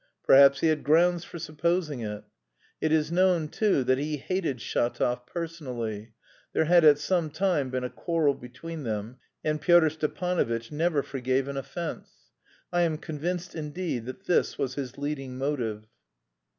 perhaps he had grounds for supposing it. It is known, too, that he hated Shatov personally; there had at some time been a quarrel between them, and Pyotr Stepanovitch never forgave an offence. I am convinced, indeed, that this was his leading motive.